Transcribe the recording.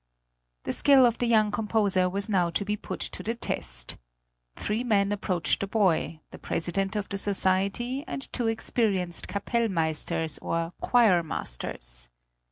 The skill of the young composer was now to be put to the test. Three men approached the boy, the president of the society and two experienced Kapellmeisters, or choirmasters.